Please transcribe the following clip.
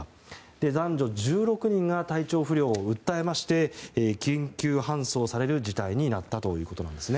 男女１６人が体調不良を訴えまして緊急搬送される事態となったわけですね。